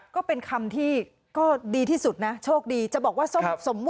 ก็เป็นคำที่ก็ดีที่สุดนะโชคดีจะบอกว่า